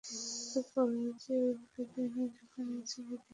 কিন্তু, কলেজের ম্যাগাজিনে যখন এই ছবি দেখি।